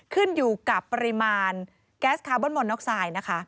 ขึ้นอยู่กับปริมาณแก๊สคาร์บอนมอนน็อกไซด์นะคะ